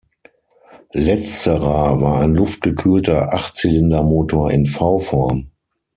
Letzterer war ein luftgekühlter Achtzylindermotor in V-Form.